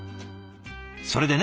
それでね